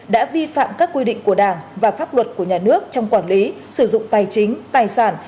đã vi phạm các quy định của đảng và pháp luật của nhà nước trong quản lý sử dụng tài chính tài sản